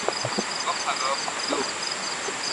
por favor, no.